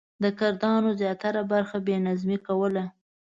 د کردانو زیاتره برخه بې نظمي کوله.